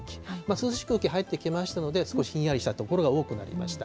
涼しい空気入ってきましたので、少しひんやりした所が多くなりました。